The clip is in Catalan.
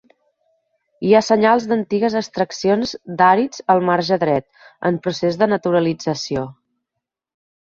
Hi ha senyals d'antigues extraccions d'àrids al marge dret, en procés de naturalització.